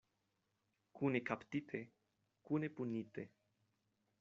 Kune kaptite, kune punite.